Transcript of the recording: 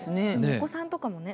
お子さんとかもね。